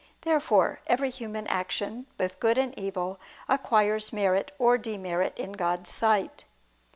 Therefore every human action, both good and evil, acquires merit or demerit in God's sight.